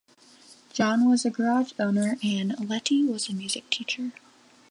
John was a garage owner and Lettie was a music teacher.